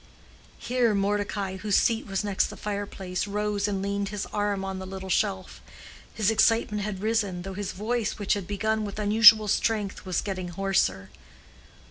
Here Mordecai, whose seat was next the fire place, rose and leaned his arm on the little shelf; his excitement had risen, though his voice, which had begun with unusual strength, was getting hoarser.